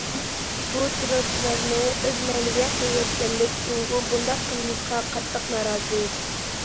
بۇ، تېررورچىلارنى ئۆز مەيلىگە قويۇۋەتكەنلىك، جۇڭگو بۇنداق قىلمىشقا قاتتىق نارازى.